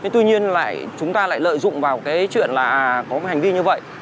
tuy nhiên lại chúng ta lại lợi dụng vào cái chuyện là có hành vi như vậy